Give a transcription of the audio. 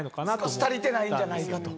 少し足りてないんじゃないかと。